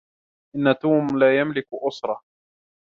إن توم لا يملك أسرة.